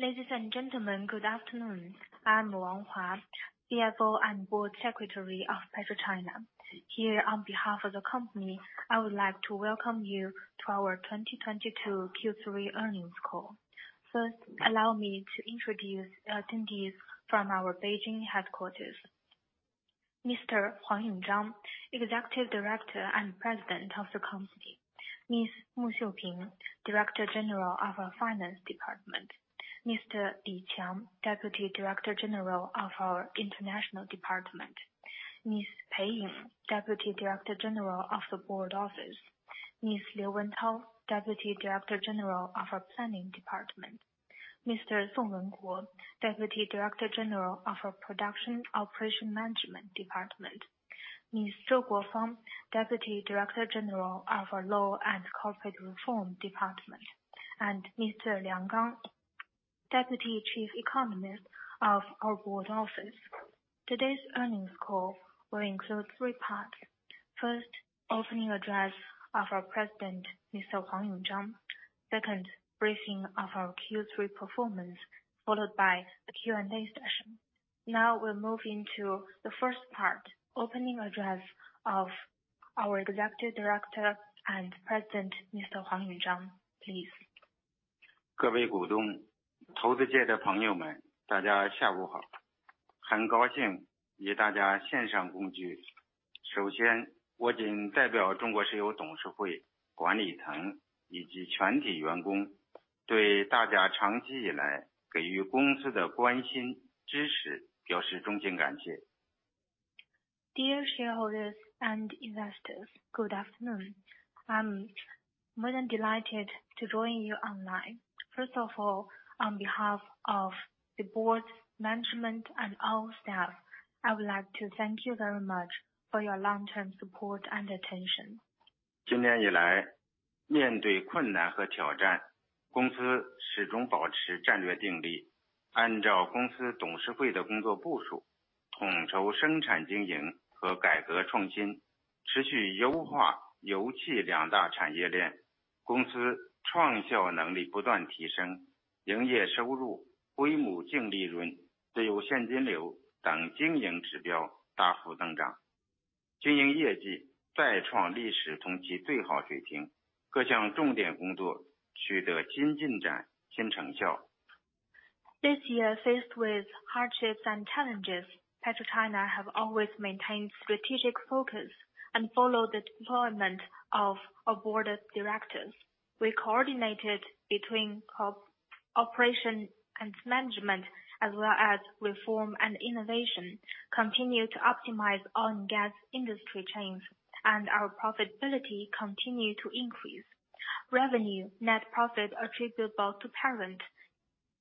Ladies and gentlemen, good afternoon. I'm Wang Hua, CFO and Board Secretary of PetroChina. Here on behalf of the company, I would like to welcome you to our 2022 Q3 earnings call. First, allow me to introduce attendees from our Beijing headquarters. Mr. Huang Yongzhang, Executive Director and President of the company. Ms. Mu Xiuping, Director General of our Finance Department. Mr. Li Qiang, Deputy Director General of our International Department. Ms. Pei Ying, Deputy Director General of the Board Office. Ms. Liu Wentao, Deputy Director General of our Planning Department. Mr. Song Wenguo, Deputy Director General of our Production Operation Management Department. Ms. Zhou Guofeng, Deputy Director General of our Law and Corporate Reform Department. And Mr. Liang Gang, Deputy Chief Economist of our Board Office. Today's earnings call will include three parts: First, opening address of our President, Mr. Huang Yongzhang. Second, briefing of our Q3 performance, followed by the Q&A session. Now, we'll move into the first part, opening address of our Executive Director and President, Mr. Huang Yongzhang. Please. Dear shareholders and investors, good afternoon. I'm more than delighted to join you online. First of all, on behalf of the board, management, and all staff, I would like to thank you very much for your long-term support and attention. This year, faced with hardships and challenges, PetroChina have always maintained strategic focus and followed the deployment of our Board of Directors. We coordinated between operation and management, as well as reform and innovation, continued to optimize oil and gas industry chains, and our profitability continued to increase. Revenue, net profit attributable to parent,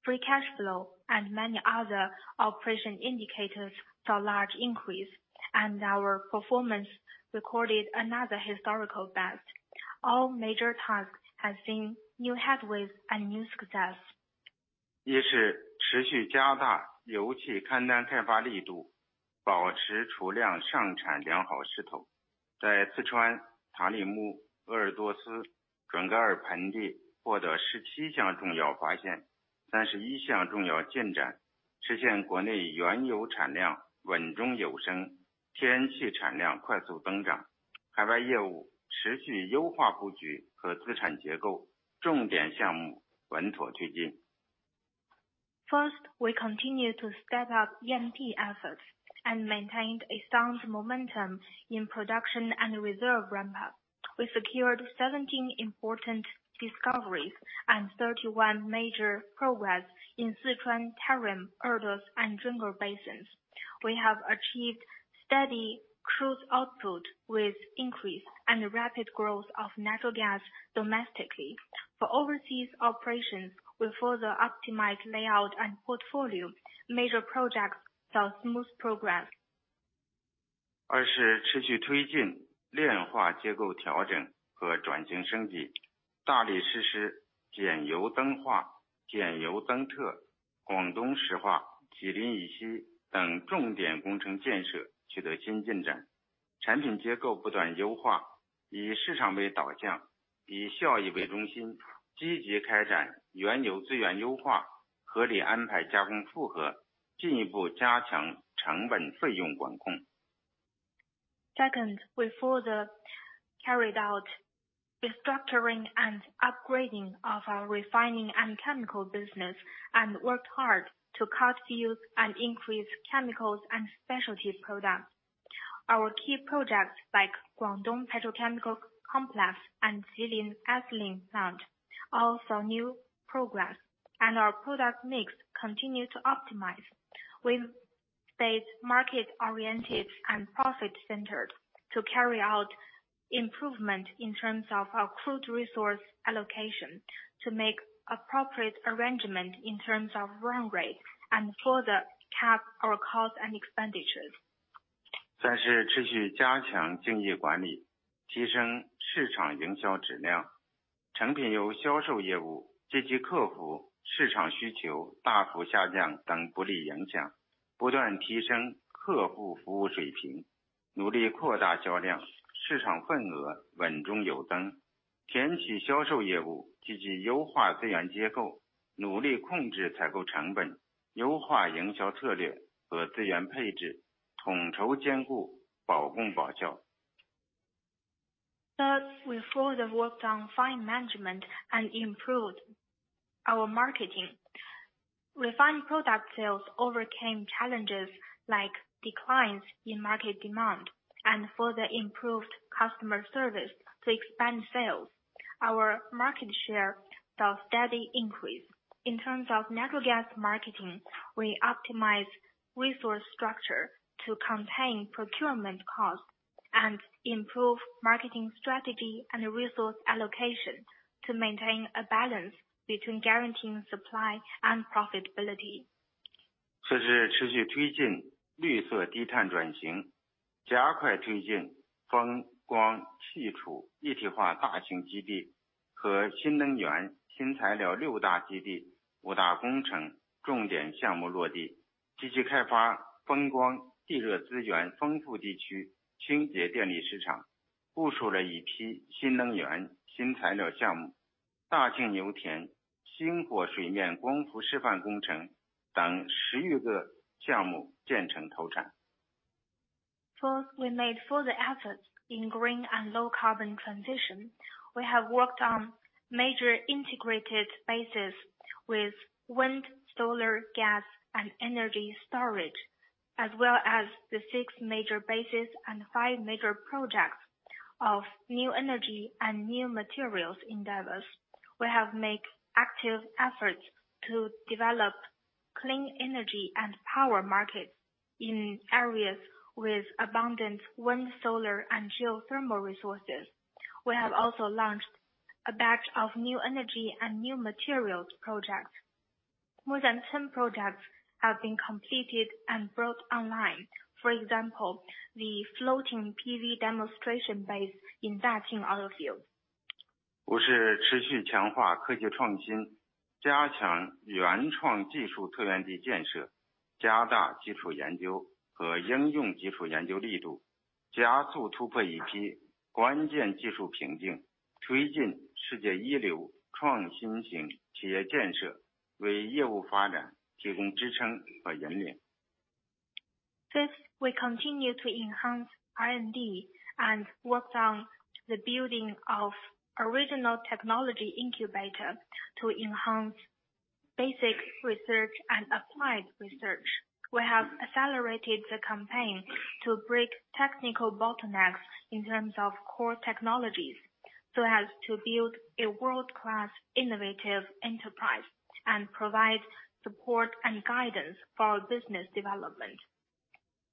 free cash flow, and many other operation indicators saw large increase, and our performance recorded another historical best. All major tasks have seen new headwinds and new success. First, we continued to step up E&P efforts and maintained a sound momentum in production and reserve ramp-up. We secured 17 important discoveries and 31 major progress in Sichuan, Tarim, Ordos, and Junggar Basins. We have achieved steady crude output with increase and rapid growth of natural gas domestically. For overseas operations, we further optimized layout and portfolio. Major projects saw smooth progress. Second, we further carried out the structuring and upgrading of our refining and chemical business, and worked hard to cut fuel and increase chemicals and specialty products. Our key projects, like Guangdong Petrochemical Complex and Jilin Ethylene Plant, all saw new progress, and our product mix continued to optimize. We've stayed market-oriented and profit-centered to carry out improvement in terms of our crude resource allocation, to make appropriate arrangement in terms of run rate and further cap our costs and expenditures. Third, we further worked on fine management and improved our marketing. Refined product sales overcame challenges like declines in market demand, and further improved customer service to expand sales. Our market share saw steady increase. In terms of natural gas marketing, we optimized resource structure to contain procurement costs and improve marketing strategy and resource allocation to maintain a balance between guaranteeing supply and profitability. 四是持续推进绿色低碳转型，加快推进风光气储一体化大型基地和新能源新材料六大基地，五大地工程重点项目落地，积极开发风光地热资源丰富地区清洁电力市场，部署了一批新能源新材料项目，大庆油田星火水面光伏示范工程等十余个项目建成投产。Fourth, we made further efforts in green and low carbon transition. We have worked on major integrated bases with wind, solar, gas, and energy storage, as well as the six major bases and five major projects of new energy and new materials endeavors. We have made active efforts to develop clean energy and power markets in areas with abundant wind, solar, and geothermal resources. We have also launched a batch of new energy and new materials projects. More than 10 projects have been completed and brought online. For example, the floating PV demonstration base in Daqing Oilfield. 五是持续强化科技创新，加强原创技术源地建设,加大基础研究和应用基础研究力度,加速突破一批关键技术瓶颈,推進世界一流创新型企业建设,为业务发展提供支撑和引领。Fifth, we continue to enhance R&D and work on the building of original technology incubator to enhance basic research and applied research. We have accelerated the campaign to break technical bottlenecks in terms of core technologies, so as to build a world-class innovative enterprise and provide support and guidance for business development.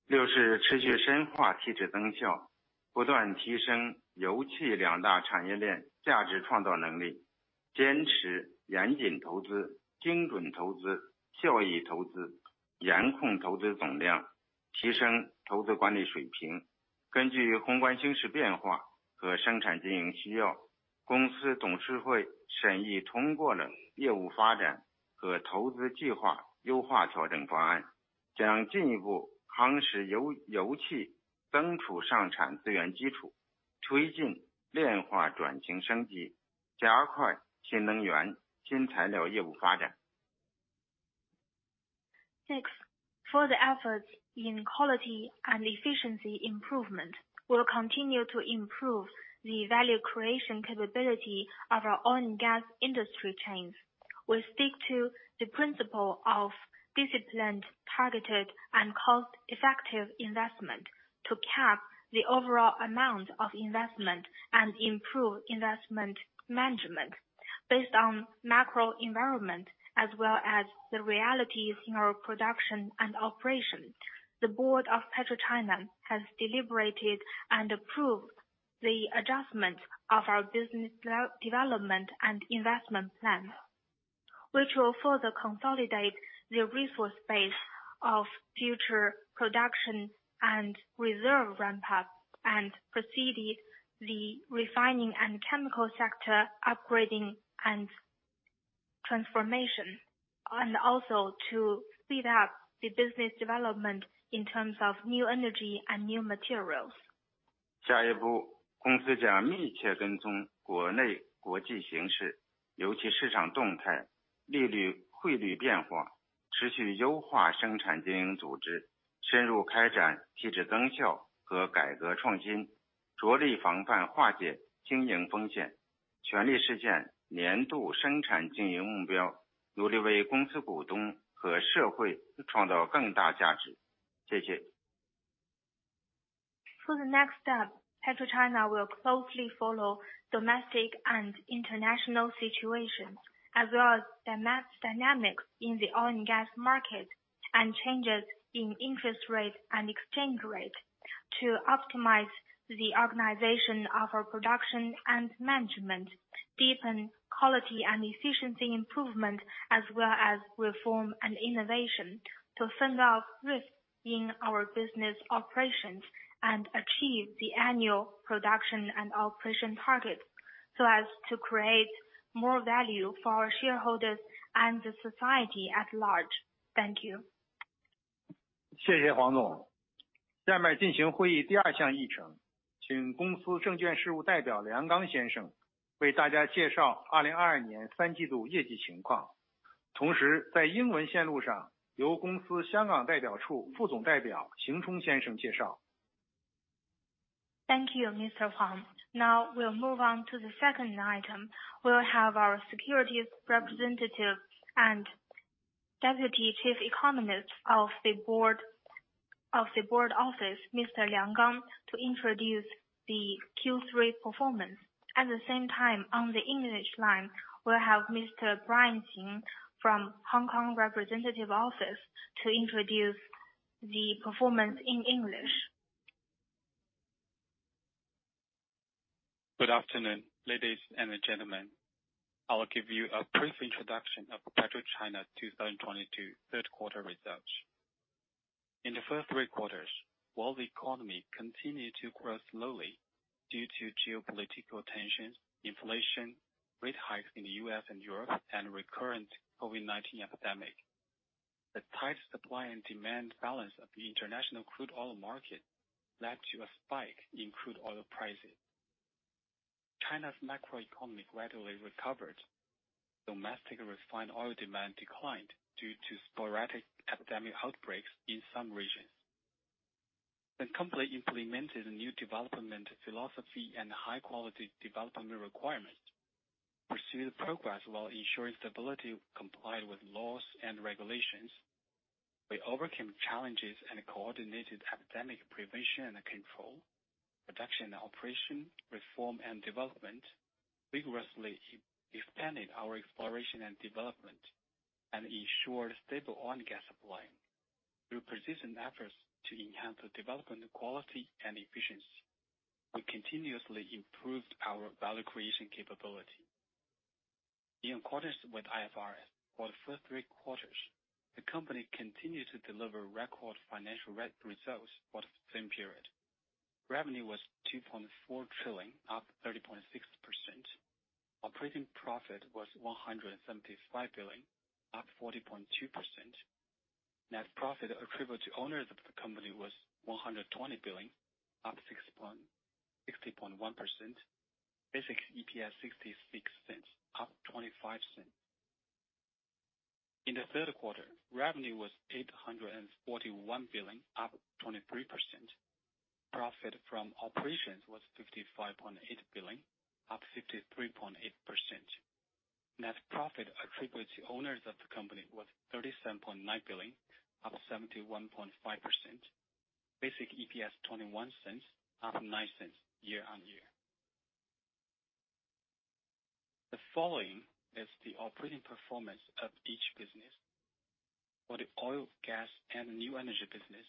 六是持续深化提质增效，不断提升油气两大产业链价值创造能力，坚持谨慎投资、精准投资、效益投资，严控投资总量，提升投资管理水平。根据宏观形势变化和生产经营需要，公司董事会审议通过了业务发展和投资计划优化调整方案，将进一步夯实油气增储上产资源基础，推进炼化转型升级，加快新能源新材料业务发展。Sixth, further efforts in quality and efficiency improvement will continue to improve the value creation capability of our oil and gas industry chains. We stick to the principle of disciplined, targeted, and cost-effective investment to cap the overall amount of investment and improve investment management. Based on macro environment as well as the realities in our production and operation, the board of PetroChina has deliberated and approved the adjustment of our business development and investment plan, which will further consolidate the resource base of future production and reserve ramp-up, and proceeded the refining and chemical sector upgrading and transformation, and also to speed up the business development in terms of new energy and new materials. 下一步，公司将密切跟踪国内国际形势，特别是市场动态、利率汇率变化，持续优化生产经营组织，深入开展提质增效和改革创新，着力防范化解经营风险，全力实现年度生产经营目标，努力为公司股东和社会创造更大价值。谢谢！ For the next step, PetroChina will closely follow domestic and international situations, as well as the market dynamics in the oil and gas market, and changes in interest rate and exchange rate to optimize the organization of our production and management, deepen quality and efficiency improvement, as well as reform and innovation, to fend off risk in our business operations and achieve the annual production and operation target. So as to create more value for our shareholders and the society at large. Thank you. Thank you, Huang Dong. Thank you, Mr. Huang. Now, we'll move on to the second item. We'll have our securities representative and Deputy Chief Economist of the board, of the board office, Mr. Liang Gang, to introduce the Q3 performance. At the same time, on the English line, we'll have Mr. Brian Xing from Hong Kong Representative Office, to introduce the performance in English. Good afternoon, ladies and gentlemen. I'll give you a brief introduction of PetroChina's 2022 third quarter results. In the first three quarters, world economy continued to grow slowly due to geopolitical tensions, inflation, rate hikes in the U.S. and Europe, and recurrent COVID-19 epidemic. The tight supply and demand balance of the international crude oil market led to a spike in crude oil prices. China's macroeconomy gradually recovered. Domestic refined oil demand declined due to sporadic epidemic outbreaks in some regions. The company implemented a new development philosophy and high-quality development requirement, pursuing progress while ensuring stability, comply with laws and regulations. We overcame challenges and coordinated epidemic prevention and control, production, operation, reform, and development, vigorously expanded our exploration and development, and ensured stable oil and gas supply. Through persistent efforts to enhance the development quality and efficiency, we continuously improved our value creation capability. In accordance with IFRS, for the first three quarters, the company continued to deliver record financial results for the same period. Revenue was 2.4 trillion, up 30.6%. Operating profit was 175 billion, up 40.2%. Net profit attributable to owners of the company was 120 billion, up 60.1%. Basic EPS, 0.66, up 0.25. In the third quarter, revenue was 841 billion, up 23%. Profit from operations was 55.8 billion, up 53.8%. Net profit attributable to owners of the company was 37.9 billion, up 71.5%. Basic EPS, 0.21, up 0.09 year-on-year. The following is the operating performance of each business. For the oil, gas, and new energy business,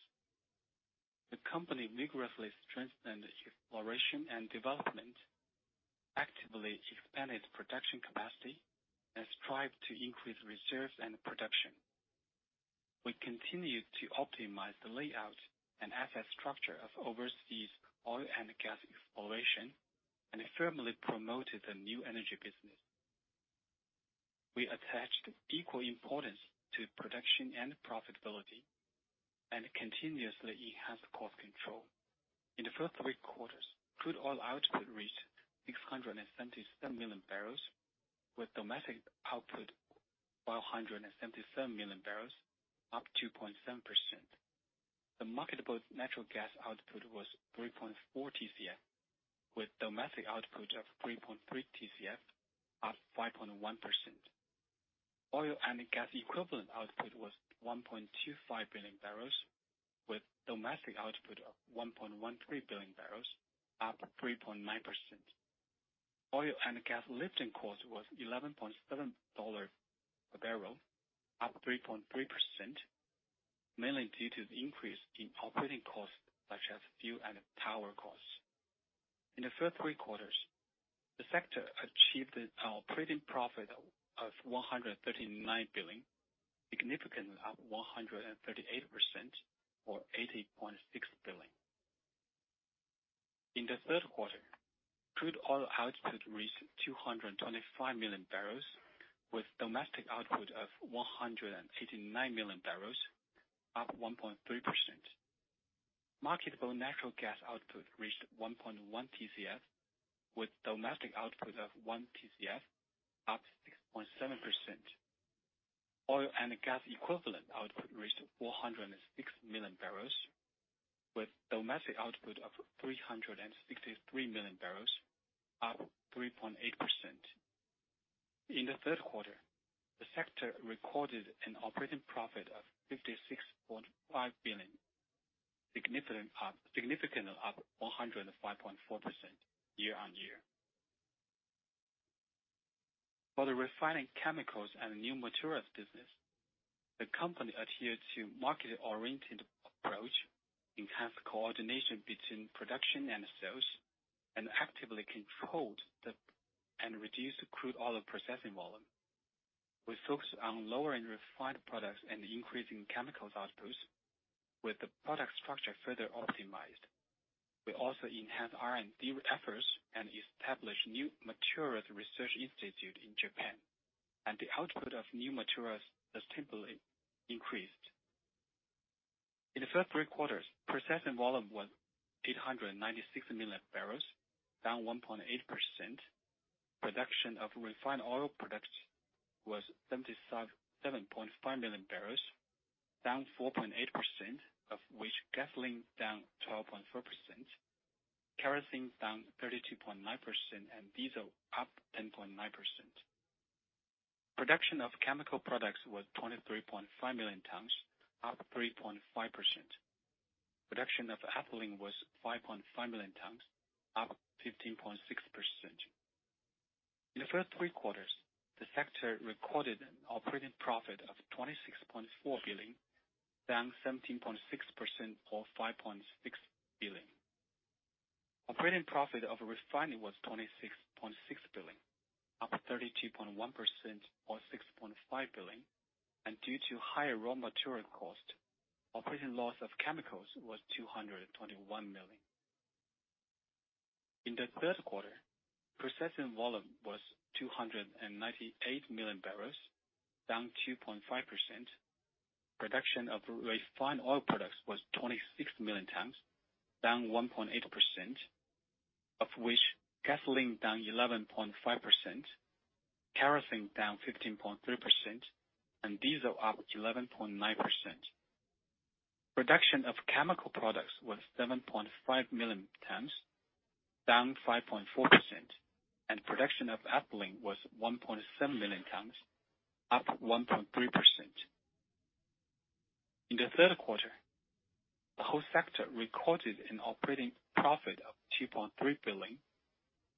the company vigorously strengthened exploration and development, actively expanded production capacity, and strived to increase reserves and production. We continued to optimize the layout and asset structure of overseas oil and gas exploration, and firmly promoted the new energy business. We attached equal importance to production and profitability, and continuously enhanced cost control. In the first three quarters, crude oil output reached 677 million barrels, with domestic output, 577 million barrels, up 2.7%. The marketable natural gas output was 3.4 TCF, with domestic output of 3.3 TCF, up 5.1%. Oil and gas equivalent output was 1.25 billion barrels, with domestic output of 1.13 billion barrels, up 3.9%. Oil and gas lifting cost was $11.7 a barrel, up 3.3%, mainly due to the increase in operating costs, such as fuel and power costs. In the first three quarters, the sector achieved an operating profit of 139 billion, significantly up 138%, or 80.6 billion. In the third quarter, crude oil output reached 225 million barrels, with domestic output of 189 million barrels, up 1.3%. Marketable natural gas output reached 1.1 TCF, with domestic output of 1 TCF, up 6.7%. Oil and gas equivalent output reached 406 million barrels, with domestic output of 363 million barrels, up 3.8%. In the third quarter, the sector recorded an operating profit of 56.5 billion, significantly up 105.4% year-on-year. For the refining, chemicals, and new materials business, the company adhered to market-oriented approach, enhanced coordination between production and sales, and actively controlled and reduced crude oil processing volume. We focus on lowering refined products and increasing chemicals output, with the product structure further optimized. We also enhance R&D efforts and establish new materials research institute in Japan, and the output of new materials has simply increased. In the first three quarters, processing volume was 896 million barrels, down 1.8%. Production of refined oil products was 75.75 million barrels, down 4.8%, of which gasoline down 12.4%, kerosene down 32.9%, and diesel up 10.9%. Production of chemical products was 23.5 million tons, up 3.5%. Production of ethylene was 5.5 million tons, up 15.6%. In the first three quarters, the sector recorded an operating profit of 26.4 billion, down 17.6% or 5.6 billion. Operating profit of refining was 26.6 billion, up 32.1% or 6.5 billion. Due to higher raw material cost, operating loss of chemicals was 221 million. In the third quarter, processing volume was 298 million barrels, down 2.5%. Production of refined oil products was 26 million tons, down 1.8%, of which gasoline down 11.5%, kerosene down 15.3%, and diesel up 11.9%. Production of chemical products was 7.5 million tons, down 5.4%, and production of ethylene was 1.7 million tons, up 1.3%. In the third quarter, the whole sector recorded an operating profit of 2.3 billion,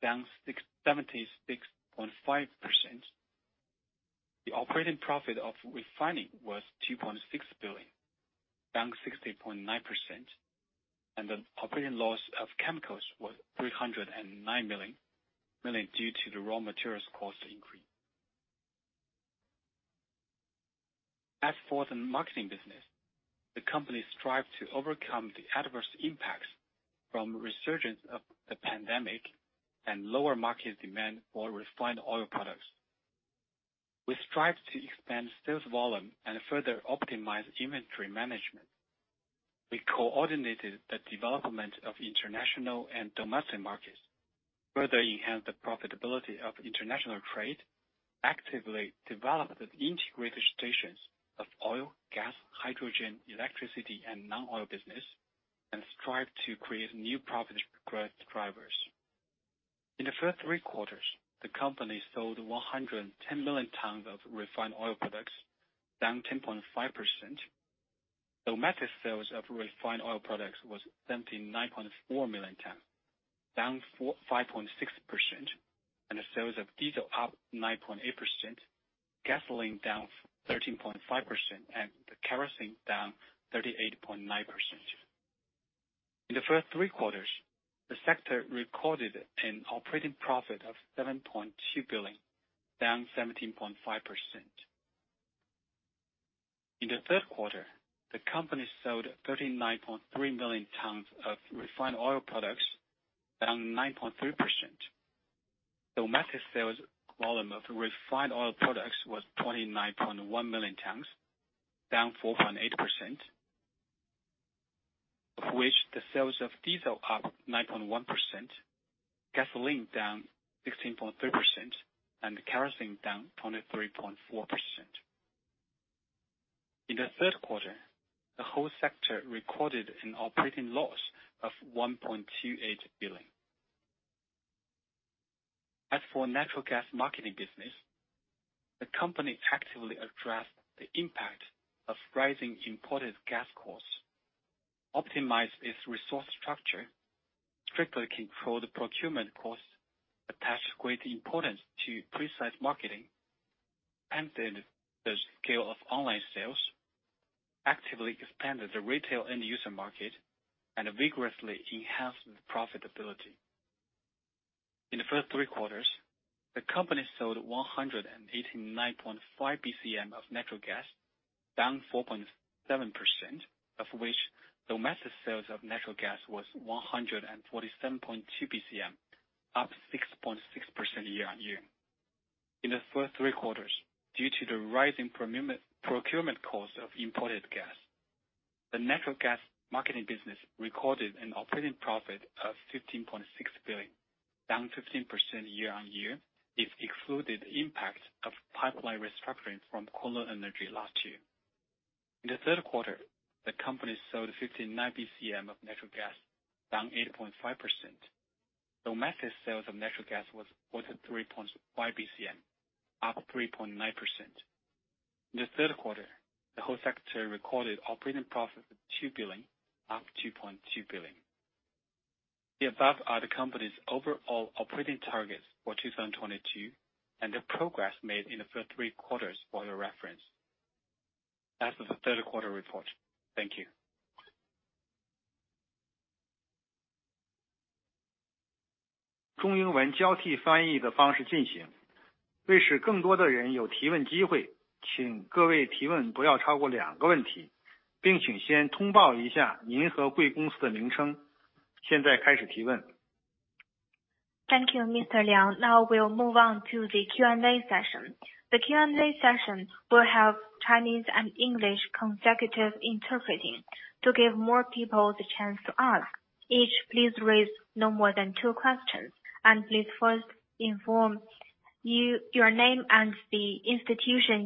down 67.5%. The operating profit of refining was 2.6 billion, down 60.9%, and the operating loss of chemicals was 309 million, mainly due to the raw materials cost increase. As for the marketing business, the company strive to overcome the adverse impacts from resurgence of the pandemic and lower market demand for refined oil products. We strive to expand sales volume and further optimize inventory management. We coordinated the development of international and domestic markets, further enhance the profitability of international trade, actively developed the integrated stations of oil, gas, hydrogen, electricity, and non-oil business, and strive to create new profit growth drivers. In the first three quarters, the company sold 110 million tons of refined oil products, down 10.5%. Domestic sales of refined oil products was 79.4 million tons, down 45.6%, and the sales of diesel up 9.8%, gasoline down 13.5%, and the kerosene down 38.9%. In the first three quarters, the sector recorded an operating profit of 7.2 billion, down 17.5%. In the third quarter, the company sold 39.3 million tons of refined oil products, down 9.3%. Domestic sales volume of refined oil products was 29.1 million tons, down 4.8%, of which the sales of diesel up 9.1%, gasoline down 16.3%, and kerosene down 23.4%. In the third quarter, the whole sector recorded an operating loss of 1.28 billion. As for natural gas marketing business, the company actively addressed the impact of rising imported gas costs, optimized its resource structure, strictly controlled procurement costs, attached great importance to precise marketing, expanded the scale of online sales, actively expanded the retail end user market, and vigorously enhanced profitability. In the first three quarters, the company sold 189.5 BCM of natural gas, down 4.7%, of which domestic sales of natural gas was 147.2 BCM, up 6.6% year-on-year. In the first three quarters, due to the rising procurement costs of imported gas, the natural gas marketing business recorded an operating profit of 15.6 billion, down 15% year-on-year, if excluded impact of pipeline restructuring from Kunlun Energy last year. In the third quarter, the company sold 59 BCM of natural gas, down 8.5%. Domestic sales of natural gas was 43.5 BCM, up 3.9%. In the third quarter, the whole sector recorded operating profit of 2 billion, up 2.2 billion. The above are the company's overall operating targets for 2022, and the progress made in the first three quarters for your reference. As of the third quarter report. Thank you. …中文交替翻译的方式进行，为了使更多的人有提问机会，请各位提问不要超过两个问题，并请先通报一下您和贵公司的名称。现在开始提问。Thank you, Mr. Liang. Now we'll move on to the Q&A session. The Q&A session will have Chinese and English consecutive interpreting. To give more people the chance to ask, each please raise no more than two questions, and please first inform you- your name and the institution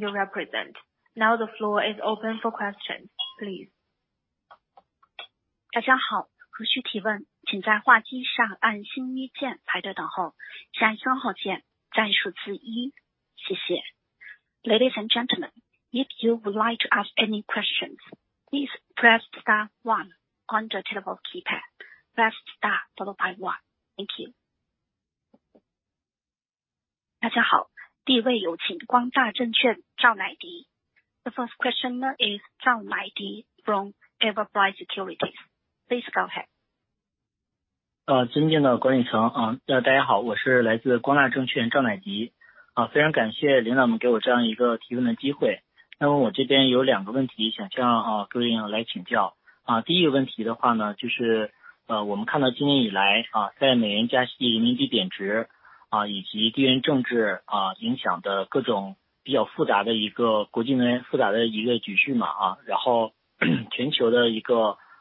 you represent. Now the floor is open for questions, please. 大家好，后续提问，请在话机上按星一键排队等候，再双号键再输入一。谢谢。Ladies and gentlemen, if you would like to ask any questions, please press star one on the telephone keypad. Press star followed by one. Thank you. 大家好，第一位有请光大证券赵乃迪。The first question is Zhao Naidi from Everbright Securities. Please go ahead.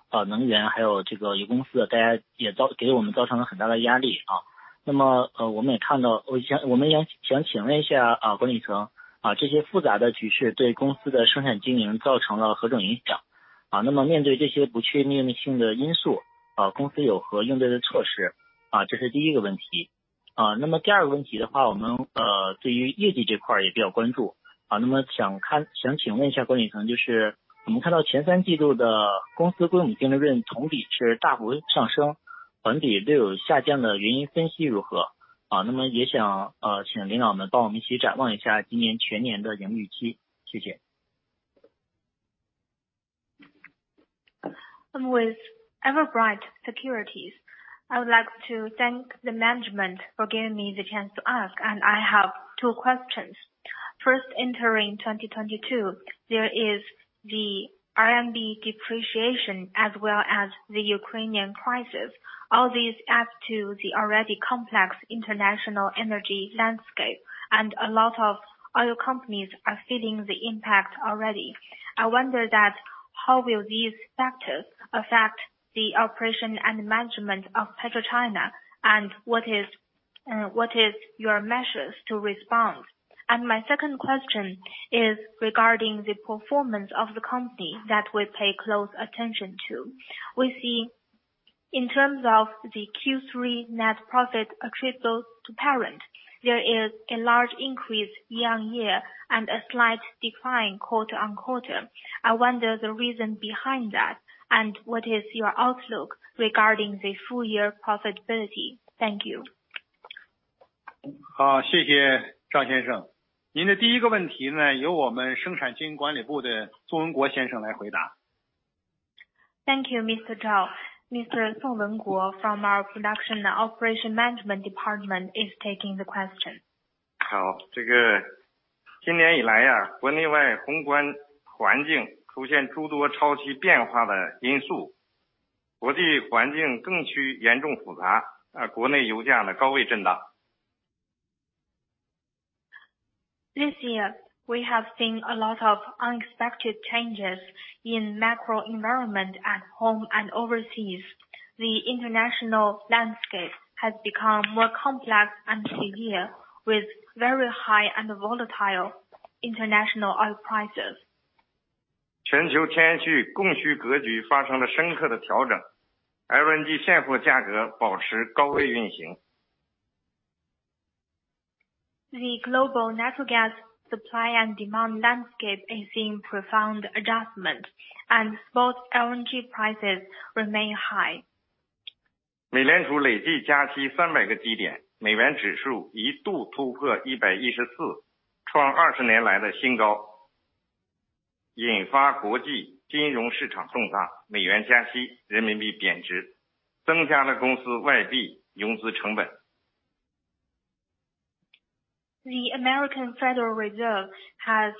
尊敬的郭经理，大家好，我是来自光大证券赵乃迪，非常感谢领导们给我这样一个提问的机会。那么我这边有两个问题想向各位请教。第一个问题的话呢，就是我们看到今年以来，在美元加息、人民币贬值，以及地缘政治影响的各种比较复杂的国际局面，然后全球的能源，还有这个油公司的，当然也给我们造成了很大的压力。那么我们也想请问一下，郭经理，这些复杂局势对公司的生产经营造成了何种影响？那么面对这些不确定性的因素，公司有何应对的措施？这是第一个问题。那么第二个问题的话，我们对于业绩这块也比较关注，那么想请问一下郭经理，就是我们看到前三季度的公司归母净利润同比是大幅上升，环比略有下降的原因分析如何？那么也想，请领导们帮我们一起展望一下今年全年的盈利预期，谢谢。I'm with Everbright Securities. I would like to thank the management for giving me the chance to ask, and I have two questions. First, entering 2022, there is the RMB depreciation as well as the Ukrainian crisis. All these add to the already complex international energy landscape, and a lot of oil companies are feeling the impact already. I wonder that, how will these factors affect the operation and management of PetroChina? And what is your measures to respond? And my second question is regarding the performance of the company that we pay close attention to. We see in terms of the Q3 net profit attributable to parent, there is a large increase year-on-year and a slight decline quarter-on-quarter. I wonder the reason behind that, and what is your outlook regarding the full year profitability? Thank you. 好，谢谢赵先生。您的第一个问题呢，由我们生产经营管理部的宋文国先生来回答。Thank you, Mr. Zhao. Mr. Song Wenguo from our Production Operation Management Department is taking the question. 好，这个今年以来啊，国内外宏观环境出现诸多超预期变化的因素，国际环境更趋严峻复杂，啊国内油价的高位震荡。This year, we have seen a lot of unexpected changes in macro environment at home and overseas. The international landscape has become more complex and severe, with very high and volatile international oil prices. 全球天然气供需格局发生了深刻的调整，LNG现货价格保持高位运行。The global natural gas supply and demand landscape is seeing profound adjustment, and spot LNG prices remain high. 美联储累计加息300个基点，美元指数一度突破114，创20年来新高，引发国际金融市场震荡，美元加息，人民币贬值，增加了公司外币融资成本。The American Federal Reserve has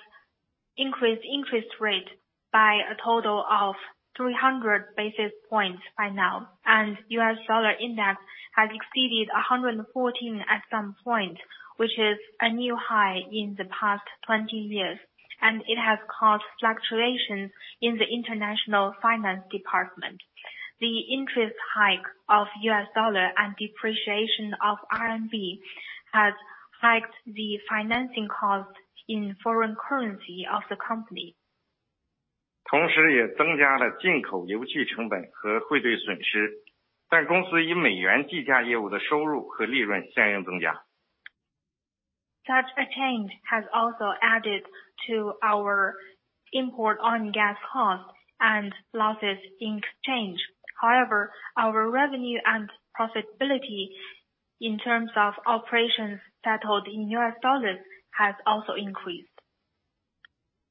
increased interest rate by a total of 300 basis points by now, and U.S. dollar index has exceeded 114 at some point, which is a new high in the past 20 years, and it has caused fluctuation in the international finance department. The interest hike of U.S. dollar and depreciation of RMB has hiked the financing cost in foreign currency of the company. 同时也增加了进口油气成本和汇兑损失，但公司以美元计价业务的收入和利润相应增加。Such a change has also added to our import oil and gas costs and losses in exchange. However, our revenue and profitability in terms of operations settled in U.S. dollars, has also increased.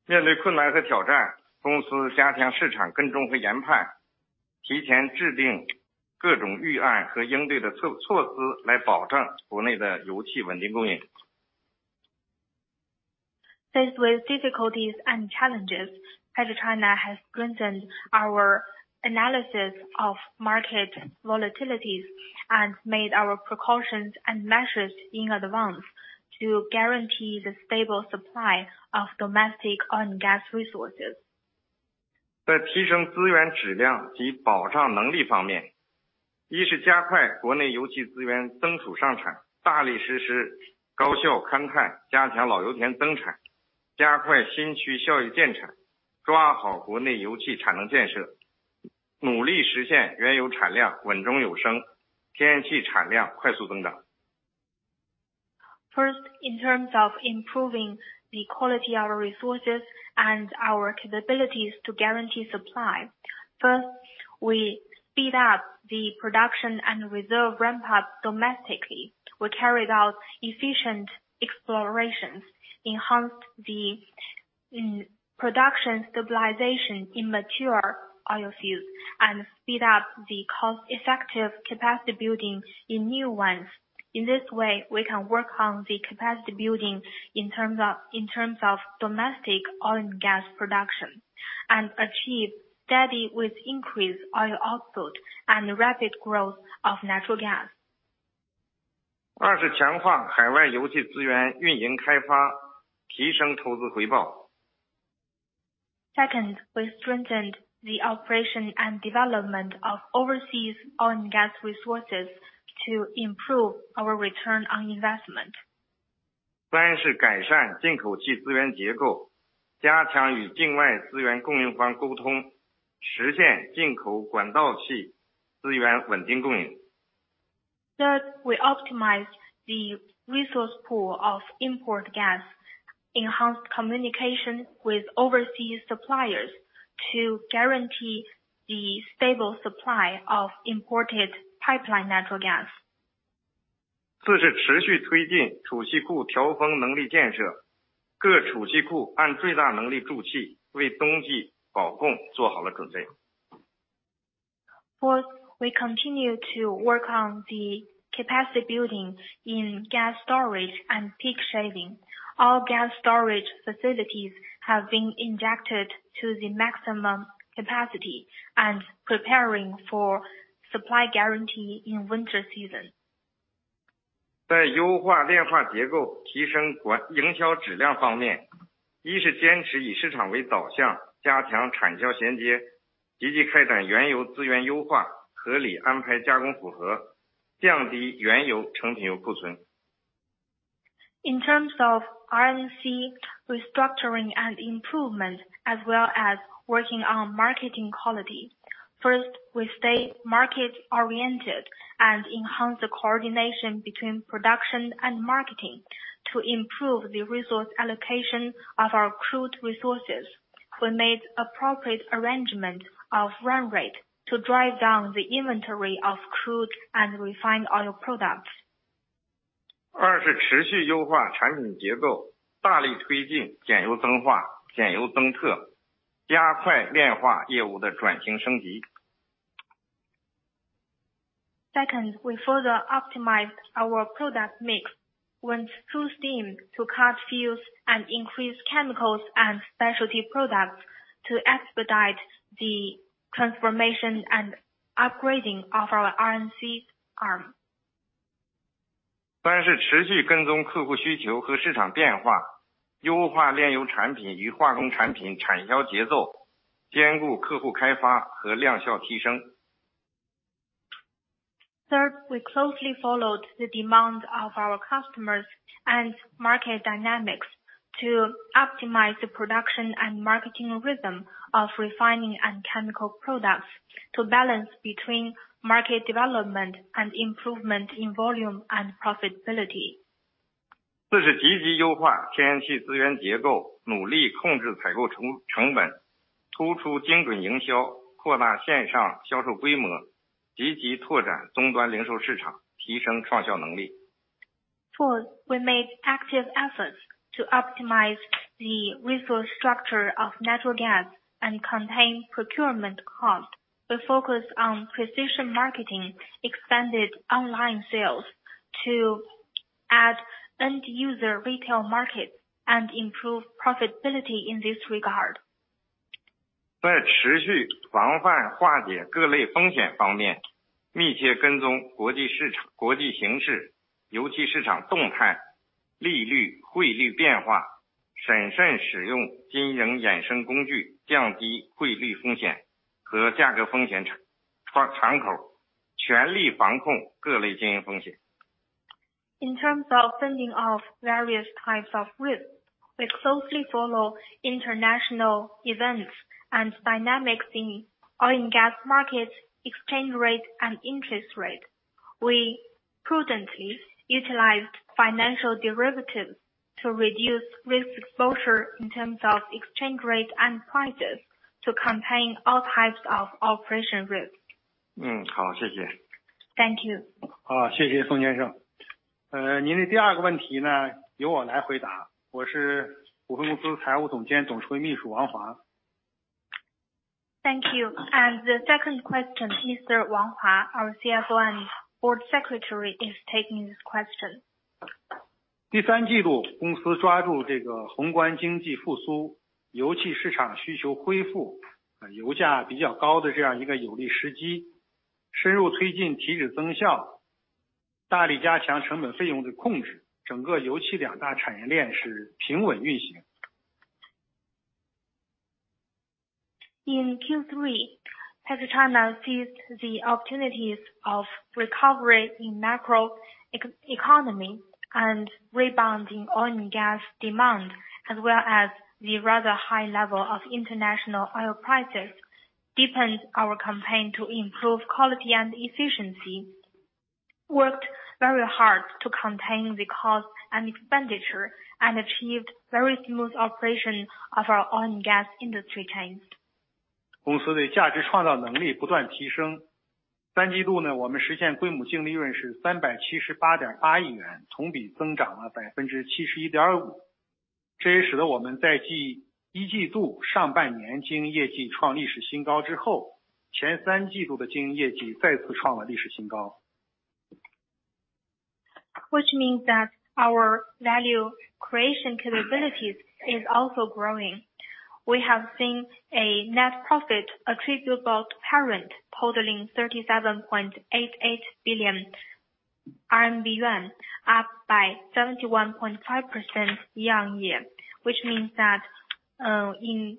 面对困难和挑战，公司加强市场跟踪和研判，提前制定各种预案和应对措施，来保证国内的油气稳定供应。Faced with difficulties and challenges, PetroChina has strengthened our analysis of market volatilities and made our precautions and measures in advance to guarantee the stable supply of domestic oil and gas resources. 在提升资源质量及保障能力方面，一是加快国内油气资源增储上产，大力实施高效勘探，加强老油田增产，加快新区效益建产，抓好国内油气产能建设，努力实现原油产量稳中有升，天然气产量快速增长。First, in terms of improving the quality of our resources and our capabilities to guarantee supply, first, we speed up the production and reserve ramp-up domestically. We carried out efficient explorations, enhanced the production stabilization in mature oil fields, and speed up the cost-effective capacity building in new ones. In this way, we can work on the capacity building in terms of, in terms of domestic oil and gas production, and achieve steady with increased oil output and rapid growth of natural gas. 二是强化海外油气资源运营开发，提升投资回报。Second, we strengthened the operation and development of overseas oil and gas resources to improve our return on investment. 三是改善进口气资源结构，加强与境外资源供应方沟通，实现进口管道气资源稳定供应。Third, we optimized the resource pool of import gas, enhanced communication with overseas suppliers to guarantee the stable supply of imported pipeline natural gas. 四是持续推进储气库调峰能力建设，各储气库按最大能力注气，为冬季保供做好了准备。Fourth, we continue to work on the capacity building in gas storage and peak shaving. Our gas storage facilities have been injected to the maximum capacity and preparing for supply guarantee in winter season. 在优化炼化结构，提升管理，营销质量方面，一是坚持以市场为导向，加强产销衔接，积极开展原油资源优化，合理安排加工负荷，降低原油成品油库存。In terms of R&C restructuring and improvement, as well as working on marketing quality, first, we stay market-oriented and enhance the coordination between production and marketing to improve the resource allocation of our crude resources. We made appropriate arrangement of run rate to drive down the inventory of crude and refined oil products. 二是持续优化产品结构，大力推进减油增化，减油增特，加快炼化业务的转型升级。Second, we further optimized our product mix, went through steam to cut fuels and increase chemicals and specialty products to expedite the transformation and upgrading of our R&C arm. 三是持续跟踪客户需求和市场变化，优化炼油产品与化工产品产销节奏，兼顾客户开发和量效提升。Third, we closely followed the demands of our customers and market dynamics to optimize the production and marketing rhythm of refining and chemical products to balance between market development and improvement in volume and profitability. 四是积极优化天然气资源结构，努力控制采购成本，突出精准营销，扩大线上销售规模，积极拓展终端零售市场，提升创效能力。Fourth, we made active efforts to optimize the resource structure of natural gas and contain procurement cost. We focus on precision marketing, expanded online sales to add end user retail markets, and improve profitability in this regard. 在持续防范化解各类风险方面，密切跟踪国际市场，国际形势，特别是市场动态、利率、汇率变化，谨慎使用金融衍生工具，降低汇率风险和价格风险敞口，全力防控各类经营风险。In terms of fending off various types of risks, we closely follow international events and dynamics in oil and gas markets, exchange rate and interest rate. We prudently utilized financial derivatives to reduce risk exposure in terms of exchange rate and prices to contain all types of operation risks. 好，谢谢。Thank you. 好，谢谢宋先生。...您的第二个问题呢，由我来回答。我是股份有限公司财务总监，董事会秘书王华。Thank you, and the second question, Mr. Wang Hua, our CFO and Board Secretary, is taking this question. 第三季度，公司抓住这个宏观经济复苏，油气市场需求恢复，油价比较高的这样一个有利时机，深入推进提质增效，大力加强成本费用的控制，整个油气两大产业链是平稳运行。In Q3, PetroChina seized the opportunities of recovery in macro economy and rebound in oil and gas demand, as well as the rather high level of international oil prices, deepened our campaign to improve quality and efficiency. Worked very hard to contain the cost and expenditure, and achieved very smooth operation of our oil and gas industry chains. 公司的价值创造能力不断提升。三季度呢，我们实现规模净利润是378.8亿元，同比增加了71.5%，这也使得我们在继一季度、上半年经营业绩创历史新高之后，前三季度的经营业绩再次创了历史新高。Which means that our value creation capabilities is also growing. We have seen a net profit attributable to parent totaling 37.88 billion yuan, up by 71.5% year-on-year, which means that, in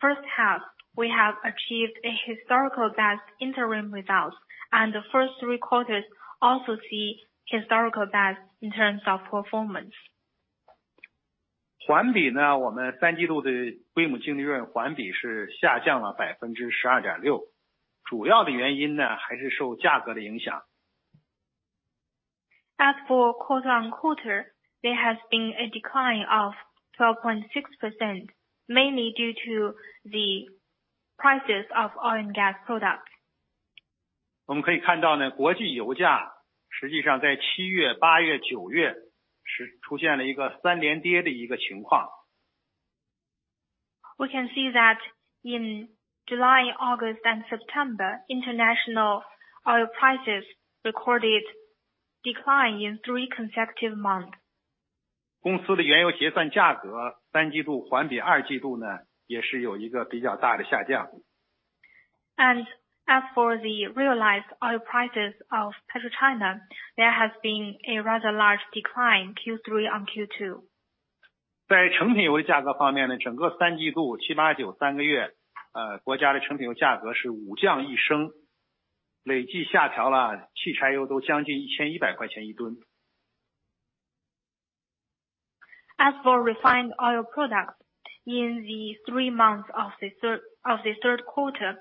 first half, we have achieved a historical best interim results, and the first three quarters also see historical best in terms of performance. 环比呢，我们第三季度的规模净利润环比是下降了12.6%，主要的原因呢，还是受价格的影响。As for quarter-on-quarter, there has been a decline of 12.6%, mainly due to the prices of oil and gas products. 我们可以看到呢，国际油价实际上在七月、八月、九月，出现了一个三连跌的一个情况。We can see that in July, August and September, international oil prices recorded decline in three consecutive months. 公司的原油结算价格，三季度环比二季度呢，也是有一个比较大的下降。As for the realized oil prices of PetroChina, there has been a rather large decline, Q3 on Q2. 在成品油价格方面呢，整个三季度，7、8、9三个月，国家的成品油价格是五降一升，累计下调了汽柴油都将近 CNY 1,100 一吨。As for refined oil products in the three months of the third quarter,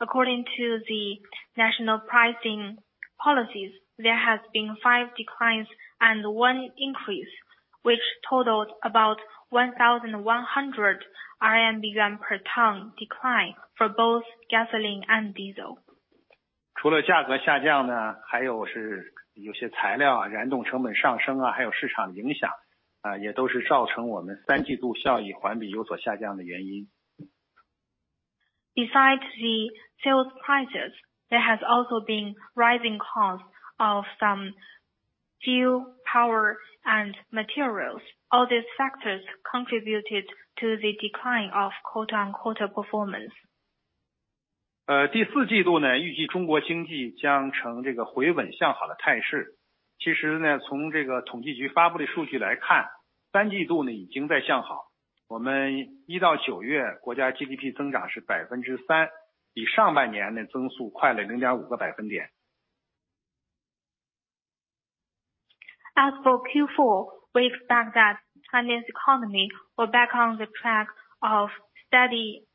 according to the national pricing policies, there has been 5 declines and 1 increase, which totals about 1,100 CNY per ton decline for both gasoline and diesel. 除了价格下降呢，还有是有些材料啊，燃料成本上升啊，还有市场影响，呃，也都是造成我们三季度效益环比有所下降的原因。Besides the sales prices, there has also been rising costs of some fuel, power, and materials. All these factors contributed to the decline of quarter-over-quarter performance. 第四季度呢，预计中国经济将呈这个回稳向好的态势。其实呢，从这个统计局发布的数据来看，三季度呢已经在向好。我们一到九月国家GDP增长是3%，比上半年的增速快了0.5个百分点。As for Q4, we expect that Chinese economy will back on the track of steady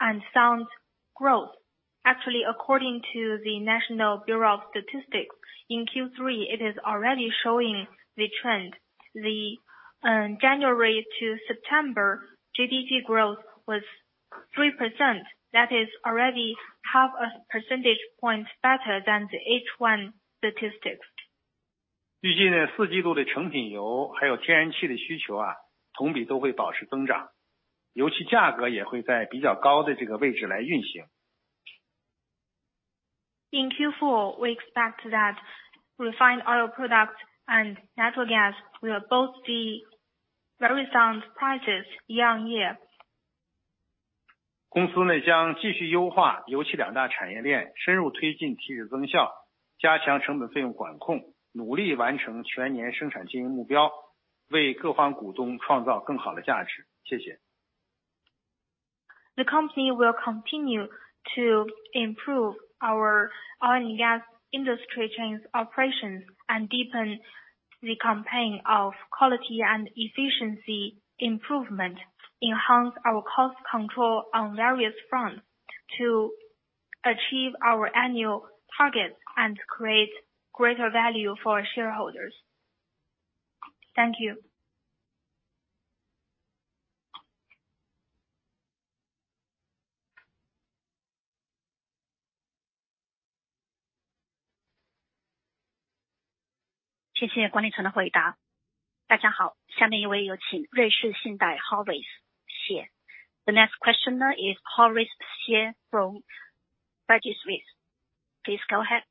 and sound growth. Actually, according to the National Bureau of Statistics, in Q3, it is already showing the trend. The January to September, GDP growth was 3%. That is already half a percentage point better than the H1 statistics. 预计呢，第四季度的成品油还有天然气的需 求啊，同比都会保持增长，油气价格也会在比较高的这个位置来运行。In Q4, we expect that refined oil products and natural gas will both see very sound prices year on year. 公司呢，将继续优化油气两大产业链，深入推进提质增效，加强成本费用管控，努力完成全年生产经营目标，为各方股东创造更好的价值。谢谢！ The company will continue to improve our oil and gas industry chains operations, and deepen the campaign of quality and efficiency improvement, enhance our cost control on various fronts to achieve our annual targets and create greater value for our shareholders. Thank you. 谢谢管理层的回答。大家好，下面一位有请瑞士信贷 Horace Tse. The next question is Horace Tse from Credit Suisse. Please go ahead.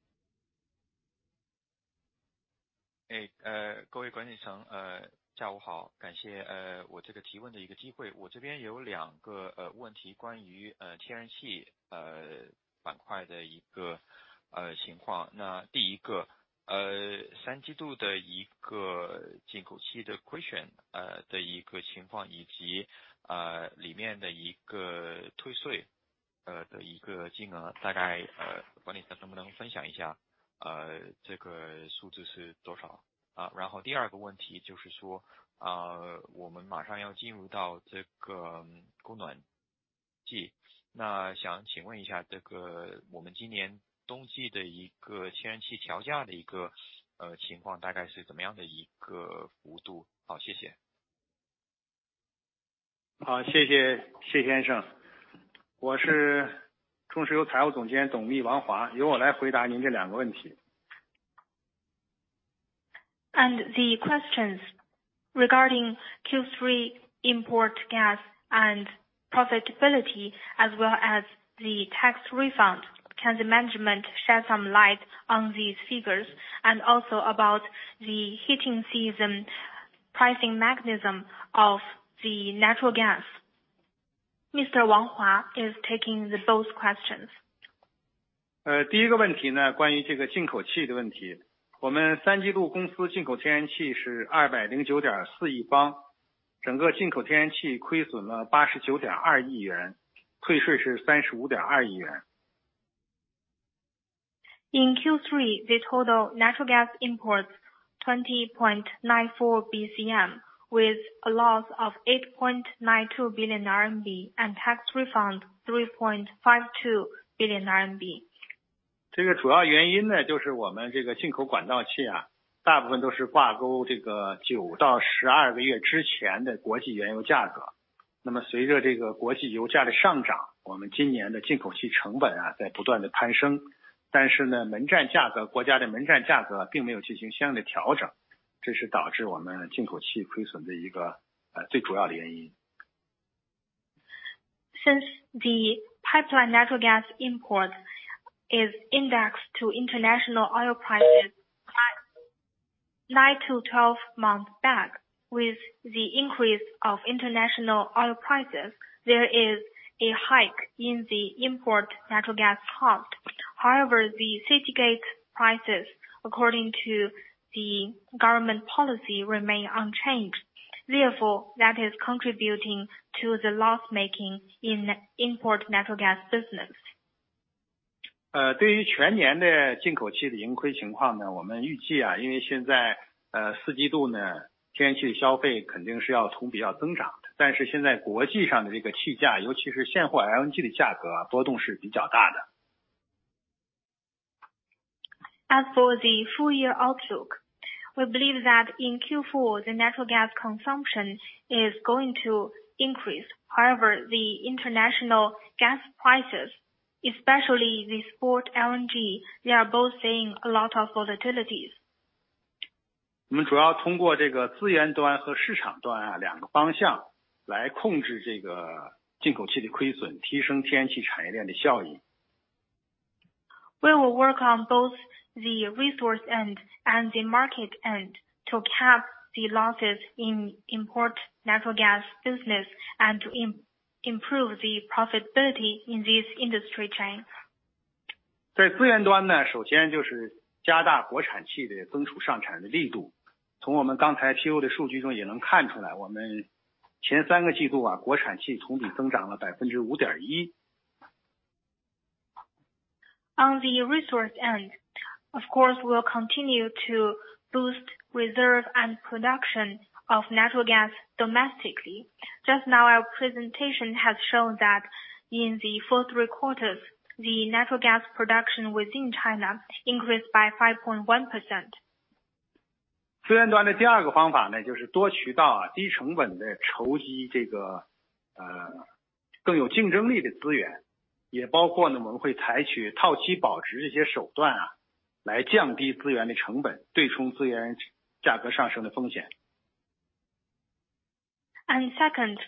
好，谢谢谢先生。我是中石油财务总监董秘王华，由我来回答您这两个问题。The questions regarding Q3 import gas and profitability, as well as the tax refund. Can the management share some light on these figures? Also about the heating season pricing mechanism of the natural gas. Mr. Wang Hua is taking the both questions. 第一个问题呢，关于这个进口气的问题。我们三季度公司进口天然气是209.4亿方，整个进口天然气亏损了89.2亿元，退税是35.2亿元。In Q3, the total natural gas imports 20.94 BCM, with a loss of 8.92 billion RMB, and tax refund 3.52 billion RMB. 这个主要原因呢，就是我们这个进口管道气啊，大部分都是挂钩这个9-12个月之前的国际原油价格。那么随着这个国际油价的上涨，我们今年的进口气成本啊在不断的攀升。但是呢，门站价格，国家门站价格并没有进行相应的调整，这是导致我们进口气亏损的一个，最主要的原因。Since the pipeline natural gas import is indexed to international oil prices nine-12 months back. With the increase of international oil prices, there is a hike in the import natural gas cost. However, the city gate prices, according to the government policy, remain unchanged. Therefore, that is contributing to the loss making in import natural gas business. 对于全年的进口气的盈亏情况呢，我们预计啊，因为现在，四季度呢，天然气的消费肯定是要同比要增长的，但是现在国际上的这个气价，尤其是现货LNG的价格波动是比较大的。As for the full year outlook, we believe that in Q4, the natural gas consumption is going to increase. However, the international gas prices, especially the spot LNG, they are both seeing a lot of volatility. 我们主要通过这个资源端和市场端两个方向来控制这个进口气的亏损，提升天然气产业链的效应。We will work on both the resource end and the market end, to cap the losses in import natural gas business, and to improve the profitability in this industry chain. 在资源端呢，首先就是加大国产气的增储上产的力度。从我们刚才Q的数据中也能看出来，我们前三个季度啊，国产气同比增加了5.1%。On the resource end, of course, we will continue to boost reserve and production of natural gas domestically. Just now, our presentation has shown that in the first three quarters, the natural gas production within China increased by 5.1%. 资源端的第二个方法呢，就是多渠道啊，低成本地筹集这个，更有竞争力的资源，也包括呢，我们会采取套期保值这些手段啊，来降低资源的成本，对冲资源价格上升的风险。And second,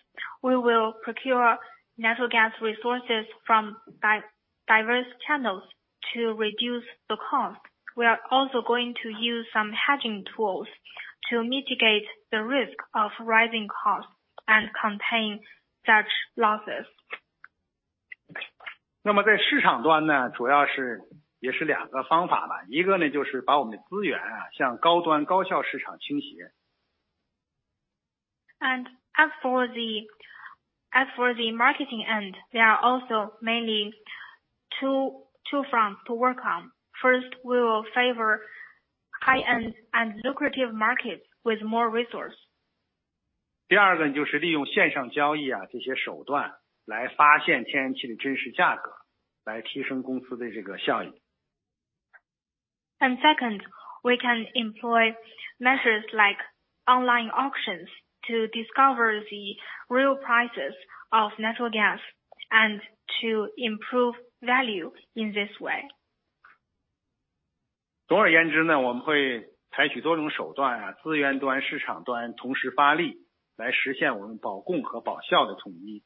we will procure natural gas resources from diverse channels to reduce the cost. We are also going to use some hedging tools to mitigate the risk of rising costs and contain such losses. 那么在市场端呢，主要也是两个方法吧，一个呢，就是把我们的资源啊向高端高效市场倾斜。As for the marketing end, there are also mainly two fronts to work on. First, we will favor high-end and lucrative markets with more resources. 第二个呢，就是利用线上交易啊这些手段来发现天然气的真实价格，来提升公司的这个效益。...And second, we can employ measures like online auctions to discover the real prices of natural gas and to improve value in this way. 总之呢，我们会采取多种手段，资源端、市场端同时发力，来实现我们保供和保效的统一。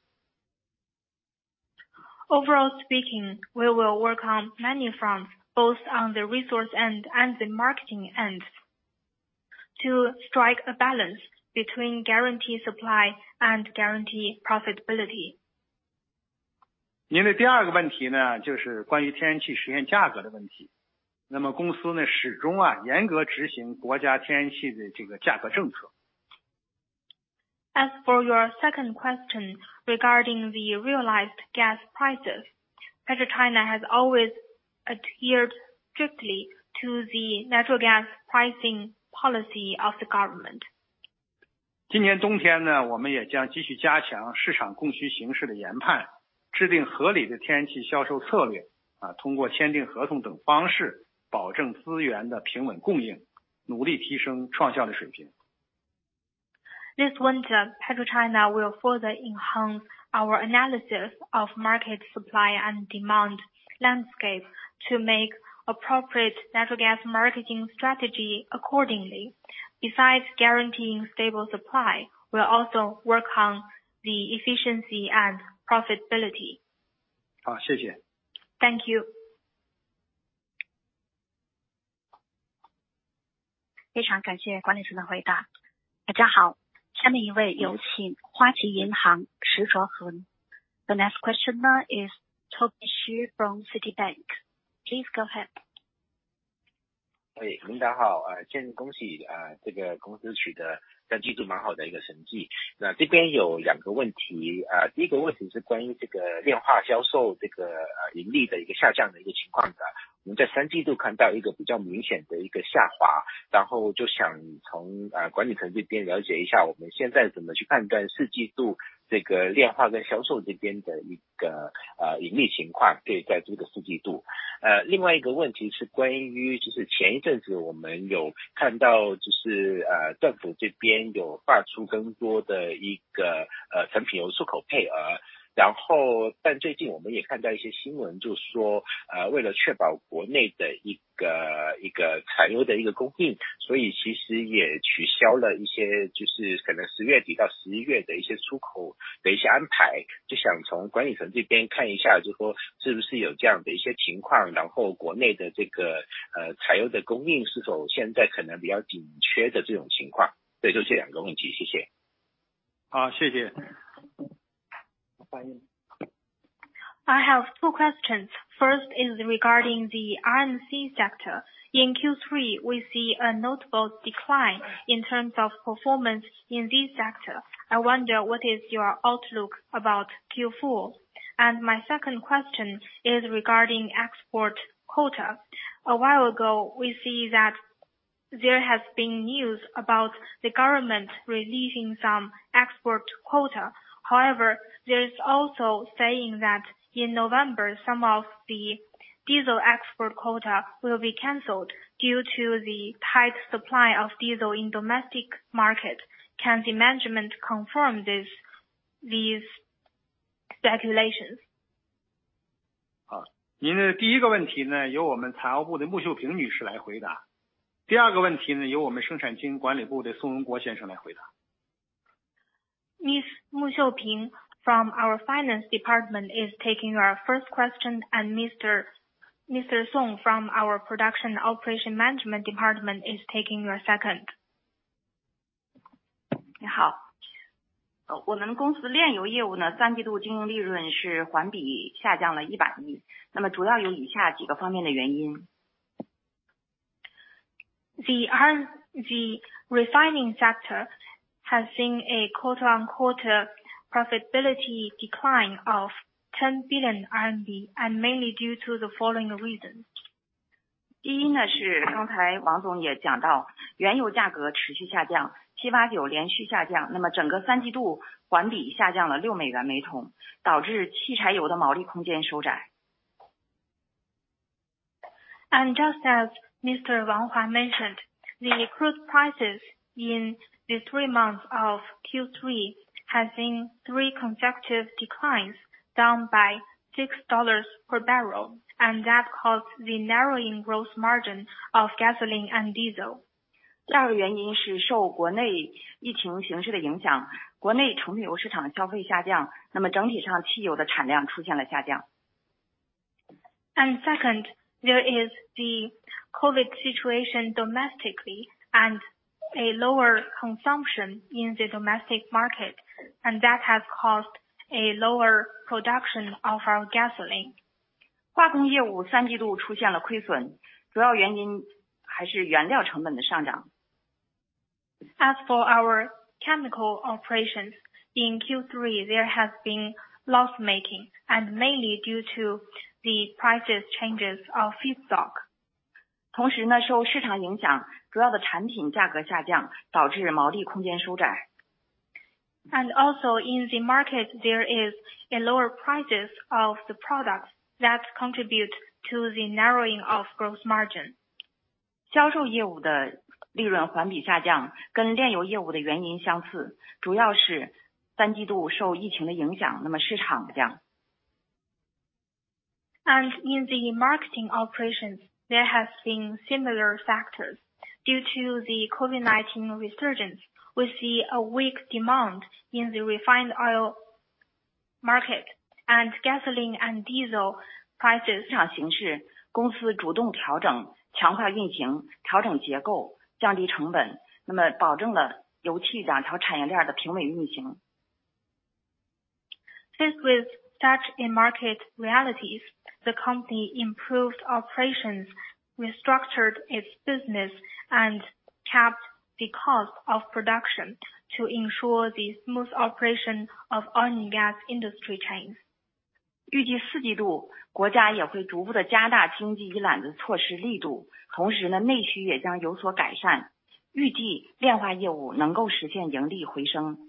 Overall speaking, we will work on many fronts, both on the resource end and the marketing end, to strike a balance between guarantee supply and guarantee profitability. 您的第二个问题呢，就是关于天然气实现价格的问题。那么公司呢，始终啊，严格执行国家天然气的这个价格政策。As for your second question regarding the realized gas prices, PetroChina has always adhered strictly to the natural gas pricing policy of the government. 今年冬天呢，我们也将继续加强市场供需形势的研判，制定合理的天然气销售策略，啊通过签订合同等方式，保证资源的平稳供应，努力提升创效的水平。This winter, PetroChina will further enhance our analysis of market supply and demand landscape to make appropriate natural gas marketing strategy accordingly. Besides guaranteeing stable supply, we'll also work on the efficiency and profitability. 好，谢谢。Thank you. 非常感谢管理层的回答。大家好，下一位有请花旗银行，石卓恒。The next question is Toby Shek from Citibank. Please go ahead. I have two questions. First is regarding the R&C sector. In Q3, we see a notable decline in terms of performance in this sector. I wonder what is your outlook about Q4? And my second question is regarding export quota. A while ago, we see that there has been news about the government releasing some export quota. However, there is also saying that in November, some of the diesel export quota will be canceled due to the tight supply of diesel in domestic market. Can the management confirm this, these speculations? 好，您的第一个问题呢，由我们财务部的穆秀萍女士来回答。第二个问题呢，由我们生产经营管理部的宋文国先生来回答。Miss Mu Xiuping from our Finance Department is taking our first question, and Mr. Song from our Production Operation Management Department is taking your second. 你好，我们公司炼油业务呢，三季度经营利润是环比下降了 CNY 100 亿，那么主要有以下几个方面的原因。The refining sector has seen a quarter-on-quarter profitability decline of 10 billion RMB, and mainly due to the following reasons. 第一呢，是刚才王总也讲到，原油价格持续下降，7、8、9连续下降，那么整个第三季度环比下降了$6/桶，导致汽柴油的毛利空间收窄。Just as Mr. Wang Hua mentioned, the crude prices in the three months of Q3 has seen three consecutive declines, down by $6 per barrel, and that caused the narrowing gross margin of gasoline and diesel. 第二个原因是受国内疫情形势的影响，国内成品油市场消费下降，那么整体上汽油的产量出现了下降。Second, there is the COVID situation domestically and a lower consumption in the domestic market, and that has caused a lower production of our gasoline. 化工业务三季度出现了亏损，主要原因还是原材料成本的上涨。As for our chemical operations in Q3, there has been loss-making and mainly due to the prices changes of feedstock. 同时呢，受市场影响，主要的产品价格下降，导致毛利空间收窄。Also in the market, there are lower prices of the products that contribute to the narrowing of gross margin. 销售业务的利润环比下降，跟炼油业务的原因类似，主要是第三季度受疫情的影响，那么市场这样。In the marketing operations, there have been similar factors. Due to the COVID-19 resurgence, we see a weak demand in the refined oil market, and gasoline and diesel prices- 市场形势，公司主动调整，强化运行，调整结构，降低成本，那么保证了油气两条产业链的平稳运行。Faced with such a market realities, the company improved operations, restructured its business, and capped the cost of production to ensure the smooth operation of oil and gas industry chains. 预计四季度，国家也会逐步地加大经济依赖的措施力度，同时呢，内需也将有所改善。预计炼化业务能够实现盈利回升。In Q4, we expect that the state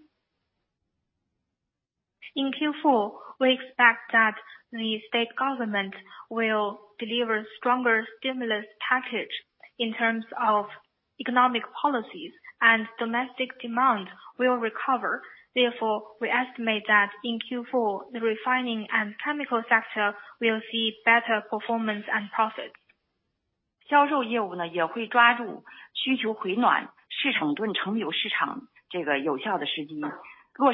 government will deliver stronger stimulus package in terms of economic policies, and domestic demand will recover. Therefore, we estimate that in Q4, the refining and chemical sector will see better performance and profit. 销售业务呢也会抓住需求回暖，市场对成品油市场这个有效的时机，落实各项提质增效的措施，努力能够实现扭亏为盈。As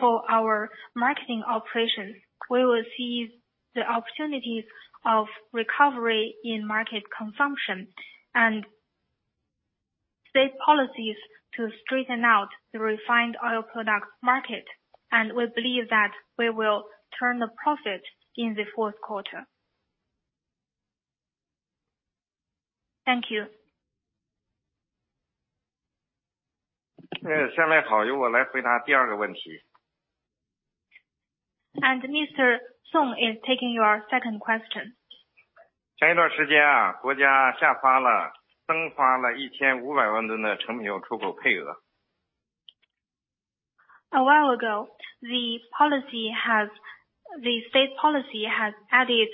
for our marketing operations, we will see the opportunities of recovery in market consumption and state policies to straighten out the refined oil product market, and we believe that we will turn a profit in the fourth quarter. Thank you. 下面好，由我来回答第二个问题。Mr. Song is taking your second question. 前一段時間啊，國家下發了，增發了1,500萬噸的成品油出口配額。A while ago, the state policy has added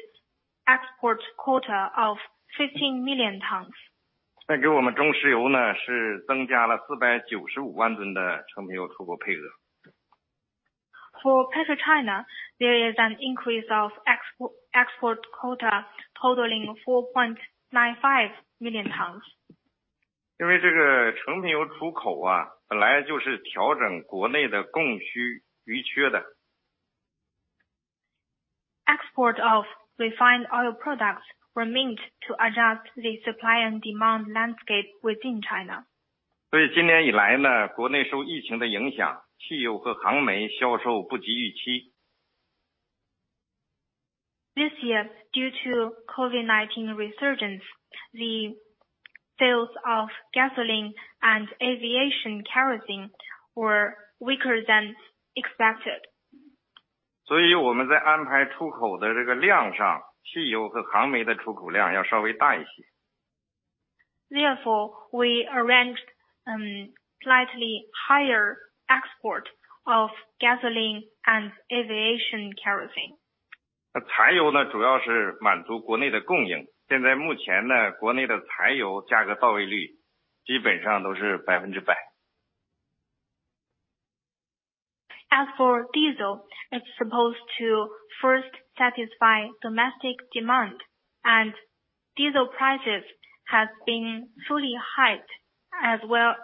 export quota of 15 million tons. 再给我们的中石油呢，是增加了495万吨的成品油出口配额。For PetroChina, there is an increase of export quota totaling 4.95 million tons. 因为这个成品油出口啊，本来就是调整国内的供需余缺的。Exports of refined oil products were meant to adjust the supply and demand landscape within China. 所以今年以来呢，国内受疫情的影响，汽油和航煤销售不及预期。This year, due to COVID-19 resurgence, the sales of gasoline and aviation kerosene were weaker than expected. 所以我们在安排出口的这个量上，汽油和航煤的出口量要稍微大一些。Therefore, we arranged slightly higher export of gasoline and aviation kerosene. 而柴油呢，主要是满足国内的供给。现在目前呢，国内的柴油价格到位率基本上都是100%。As for diesel, it's supposed to first satisfy domestic demand, and diesel prices have been fully hyped as well,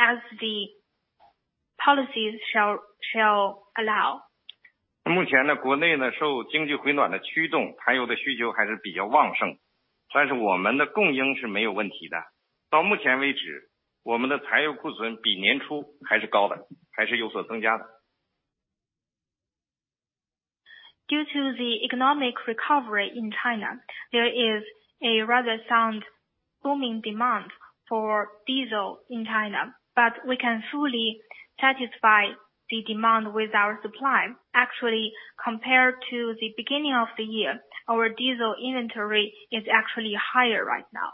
as the policies shall allow. 目前呢，国内呢，受经济回暖的驱动，柴油的需求还是比较旺盛，但是我们的供应是没有问题的。到目前为止，我们的柴油库存比年初还是高的，还是有所增加的。Due to the economic recovery in China, there is a rather sound, booming demand for diesel in China, but we can fully satisfy the demand with our supply. Actually, compared to the beginning of the year, our diesel inventory is actually higher right now.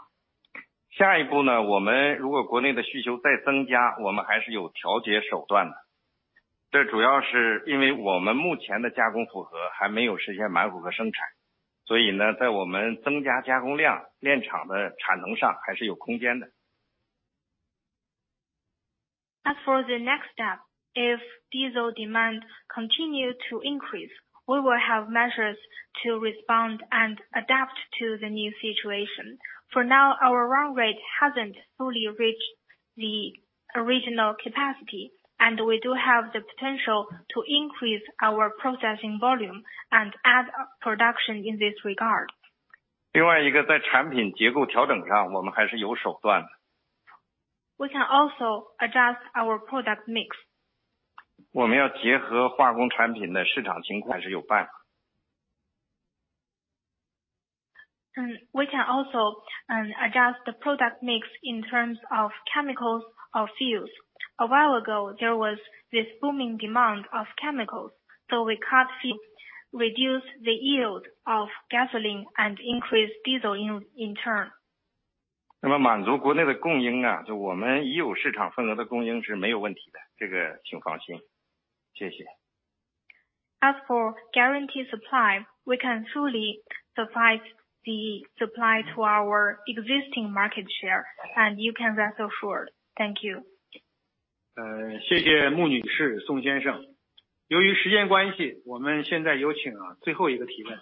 下一步呢，我们如果国内的需求再增加，我们还是有调节手段的。这主要是因为我们目前的加工负荷还没有实现满负荷生产，所以呢，在我们增加加工量，炼厂的产能上还是有空间的。As for the next step, if diesel demand continues to increase, we will have measures to respond and adapt to the new situation. For now, our run rate hasn't fully reached the original capacity, and we do have the potential to increase our processing volume and add production in this regard. 另外一个，在产品结构调整上，我们还是有手段的。We can also adjust our product mix. 我们结合化工产品的市场情况，还是有办法。We can also adjust the product mix in terms of chemicals or fuels. A while ago, there was this booming demand of chemicals, so we cut reduce the yield of gasoline and increase diesel in turn. 那么满足国内的供给啊，就我们已有市场份额的供给是没有问题的，这个请放心。谢谢！ As for guaranteed supply, we can fully provide the supply to our existing market share, and you can rest assured. Thank you. 谢谢穆女士，宋先生。由于时间关系，我们现在有请最后一个提问。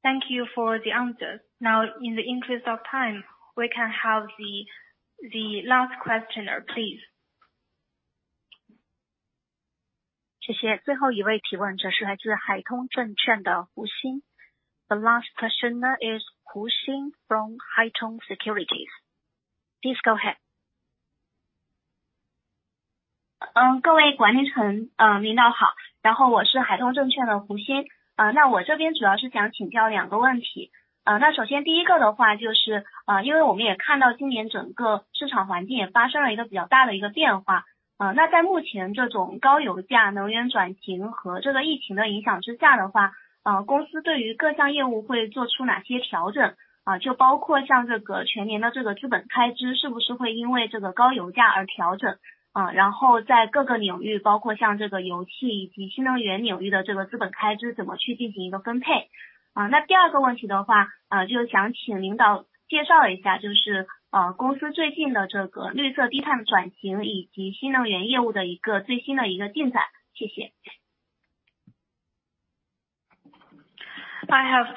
Thank you for the answer. Now, in the interest of time, we can have the last questioner, please. 谢谢，最后一位提问者是来自海通证券的胡欣。The last questioner is Hu Xin from Haitong Securities. Please go ahead. I have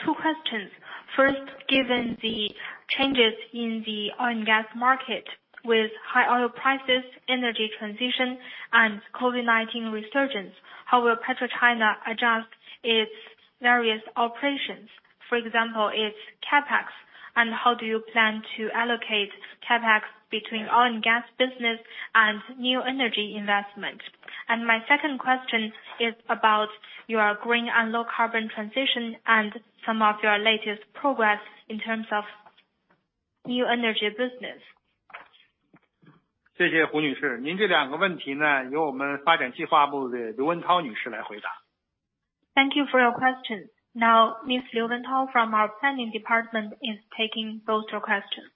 two questions. First, given the changes in the oil and gas market with high oil prices, energy transition and COVID-19 resurgence, how will PetroChina adjust its various operations, for example, its CapEx? How do you plan to allocate CapEx between oil and gas business and new energy investment? My second question is about your green and low carbon transition and some of your latest progress in terms of new energy business. 谢谢胡女士，您这两个问题呢，由我们发展计划部的刘文涛女士来回答。Thank you for your question. Now, Miss Liu Wentao from our planning department is taking both your questions.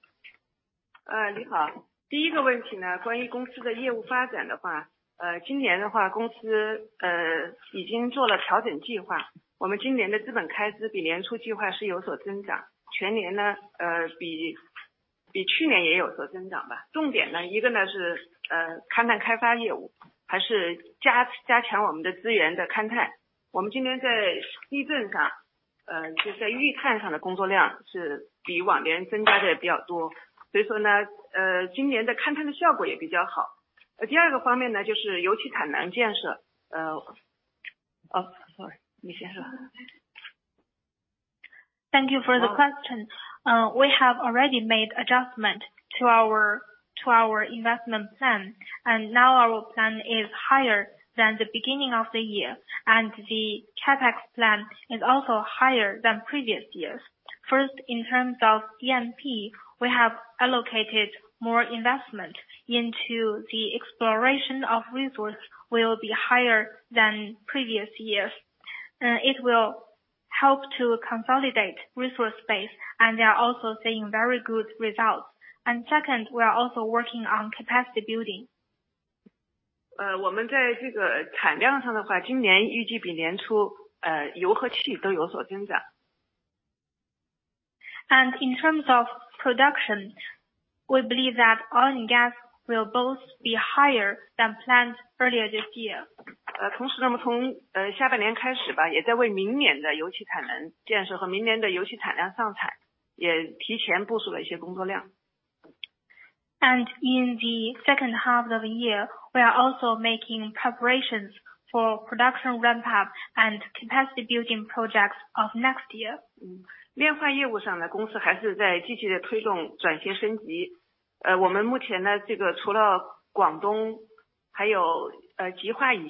你好，第一个问题呢，关于公司的业务发展的话，今年的话，公司已经做了调整计划，我们今年的资本开支比年初计划是有所增长，全年呢，比去年也有所增长吧。重点呢，一个呢是勘探开发业务，还是加强我们的资源的勘探。我们今年在地震上，就在预探上的工作量是比往年增加得比较多。所以说呢，今年的勘探的效果也比较好。第二个方面呢，就是油气产能建设。Oh, sorry, 你先说。Thank you for the question. We have already made adjustment to our, to our investment plan, and now our plan is higher than the beginning of the year, and the CapEx plan is also higher than previous years. First, in terms of E&P, we have allocated more investment into the exploration of resource will be higher than previous years, and it will help to consolidate resource base, and they are also seeing very good results. And second, we are also working on capacity building. 我们在这个产量上的话，今年预计比年初，油和气都有所增长。In terms of production, we believe that oil and gas will both be higher than planned earlier this year. 同时，那么从下半年开始吧，也在为明年的油气产能建设和明年的油气产量上产，也提前部署了一些工作量。In the second half of the year, we are also making preparations for production, ramp up and capacity building projects of next year. 另外业务上呢，公司还是在积极地推动转型升级。我们目前呢，这个除了广东，还有，吉化乙烯已经开始启动，已经在部署新的，广西乙烯，以及我们两个新的乙烷乙烯，前期工作也在加紧推进。Refining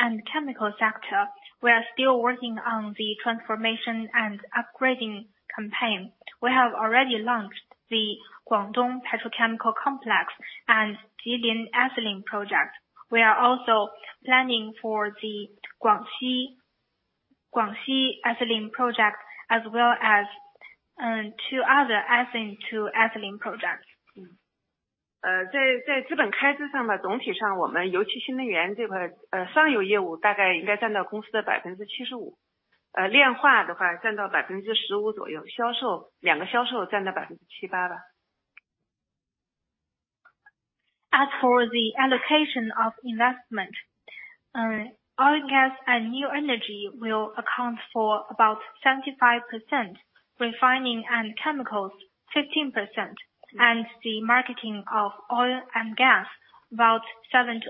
and chemical sector, we are still working on the transformation and upgrading campaign. We have already launched the Guangdong Petrochemical Complex and Jilin Ethylene project. We are also planning for the Guangxi Ethylene project as well as, two other ethane to ethylene projects. 在资本支出上呢，总体上我们油气新能源这块，上游业务大概应该占到公司的75%，炼化的话占到15%左右，销售，两个销售占到7%-8%吧。As for the allocation of investment, oil and gas and new energy will account for about 75%, refining and chemicals 15%, and the marketing of oil and gas about 7%-8%.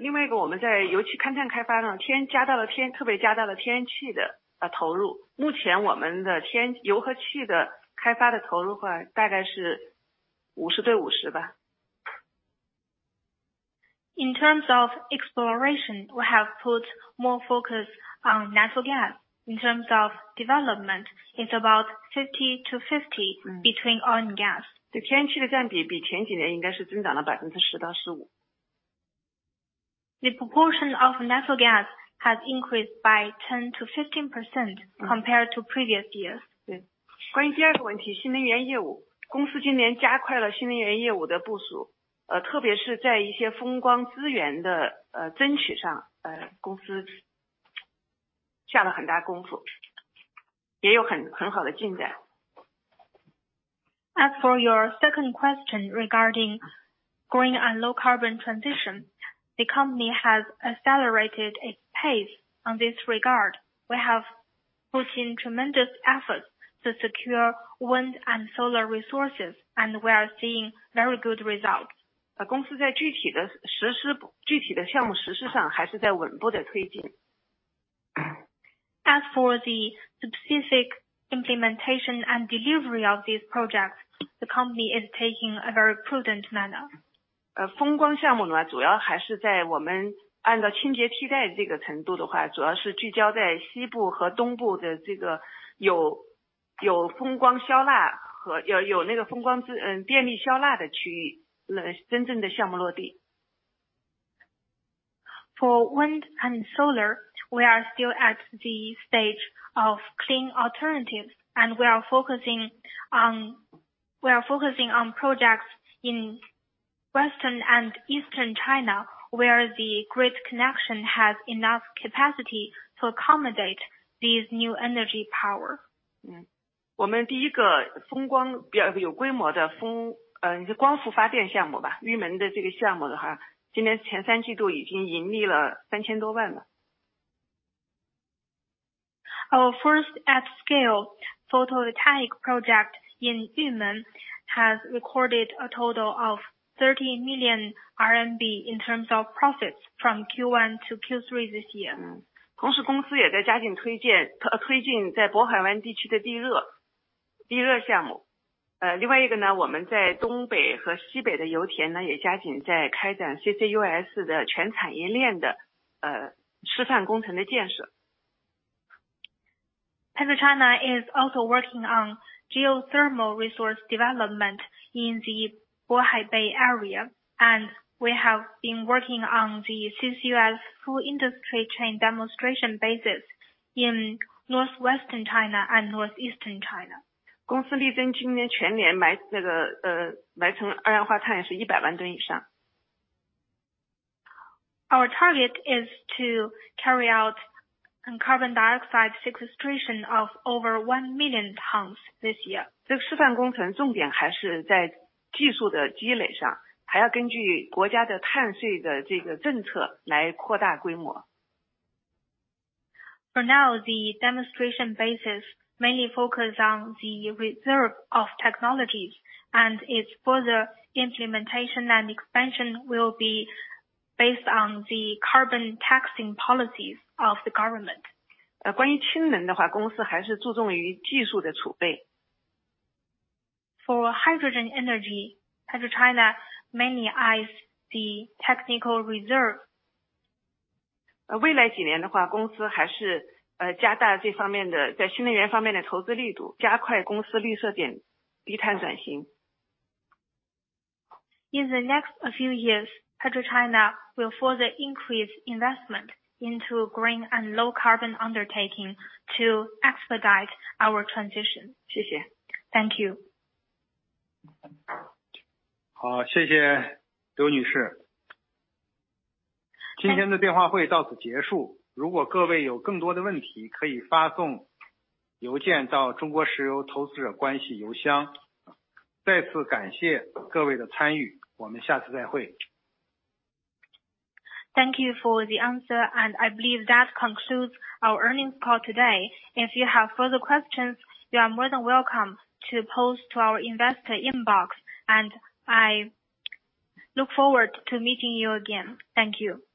另外一个，我们在油气勘探开发上增加了，特别是加大了天然气的投入。目前我们的油和气的开发投入的话，大概是50-50吧。In terms of exploration, we have put more focus on natural gas. In terms of development, it's about 50-50 between oil and gas. The proportion of natural gas has increased by 10%-15% compared to previous years. As for your second question regarding green and low carbon transition, the company has accelerated its pace on this regard. We have put in tremendous efforts to secure wind and solar resources, and we are seeing very good results. As for the specific implementation and delivery of these projects, the company is taking a very prudent manner. For wind and solar, we are still at the stage of clean alternatives, and we are focusing on, we are focusing on projects in Western and Eastern China, where the grid connection has enough capacity to accommodate these new energy power. Our first at-scale photovoltaic project in Yumen has recorded a total of CNY 30 million in terms of profits from Q1 to Q3 this year. PetroChina is also working on geothermal resource development in the Bohai Bay area, and we have been working on the CCUS full industry chain demonstration bases in northwestern China and northeastern China. Our target is to carry out carbon dioxide sequestration of over 1 million tons this year. For now, the demonstration bases mainly focus on the reserve of technologies and its further implementation and expansion will be based on the carbon taxing policies of the government. For hydrogen energy, PetroChina mainly eyes the technical reserve. In the next few years, PetroChina will further increase investment into green and low carbon undertaking to expedite our transition. Thank you. Thank you for the answer, and I believe that concludes our earnings call today. If you have further questions, you are more than welcome to post to our investor inbox, and I look forward to meeting you again. Thank you.